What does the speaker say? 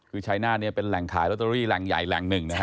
คือชัยนาธเนี่ยเป็นแหล่งขายลอตเตอรี่แหล่งใหญ่แหล่งหนึ่งนะฮะ